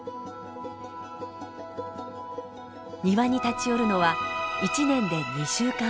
庭に立ち寄るのは１年で２週間ほど。